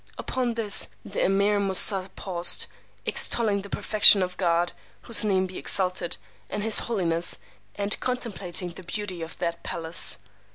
Upon this, the Emeer Moosà paused, extolling the perfection of God (whose name be exalted!) and his holiness, and contemplating the beauty of that palace.